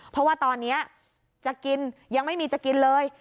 เพราะว่าตอนนี้จะกินยังไม่มีจะกินเลย